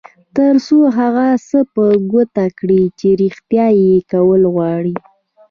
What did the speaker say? تر څو هغه څه په ګوته کړئ چې رېښتيا یې کول غواړئ.